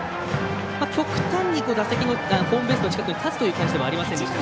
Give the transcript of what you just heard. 極端にホームベースの近くに立つという感じではありませんでした。